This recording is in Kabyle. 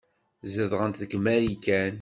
Zedɣent deg Marikan.